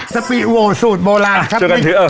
สปีโวสูตรโบราณครับ